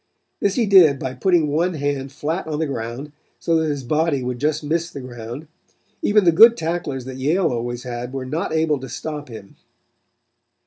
This he did by putting one hand flat on the ground, so that his body would just miss the ground; even the good tacklers that Yale always had were not able to stop him.